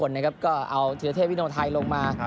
รวมถึงคือถือทีพวิทยาเทพงธทายลงมา